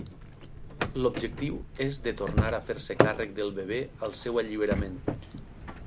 L'objectiu és de tornar a fer-se càrrec del bebè al seu alliberament.